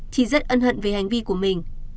chị rất ân hận về hành vi của mình